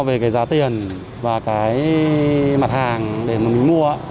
về cái giá tiền và cái mặt hàng để mà mình mua